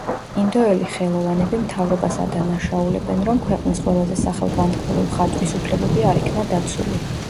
ინდოელი ხელოვანები მთავრობას ადანაშაულებენ, რომ ქვეყნის ყველაზე სახელგანთქმული მხატვრის უფლებები არ იქნა დაცული.